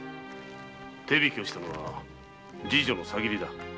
手引きしたのは侍女の挟霧だ。